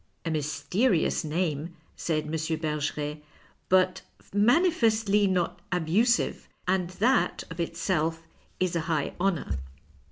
A mysterious name," said M. Bergeret, " but manifestly not abusive, and that of itself is a high honour.